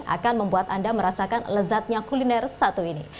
akan membuat anda merasakan lezatnya kuliner satu ini